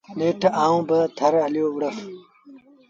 نيٺ آئوٚݩ با ٿر هليو وُهڙس۔